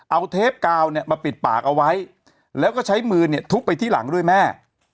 เอาเทปกาวเนี่ยมาปิดปากเอาไว้แล้วก็ใช้มือเนี่ยทุบไปที่หลังด้วยแม่